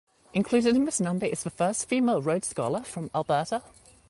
Included in this number is the first female Rhodes scholar from Alberta.